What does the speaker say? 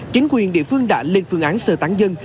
chính quyền địa phương đã lên phương án sơ tán dân